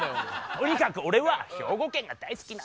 とにかく俺は兵庫県が大好きなんだよ！